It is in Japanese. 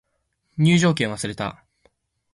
入場券忘れた